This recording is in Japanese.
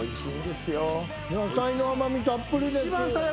野菜の甘味たっぷりです。